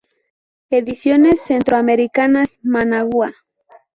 Ediciones Centroamericanas: Managua.